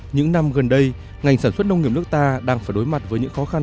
những năm gần đây ngành sản xuất nông nghiệp nước ta đang phải đối mặt với những khó khăn